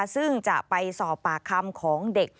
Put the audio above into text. ซึ่งจะไปสอบปากคำของเด็ก